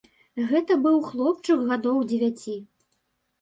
Гэта быў хлопчык гадоў дзевяці.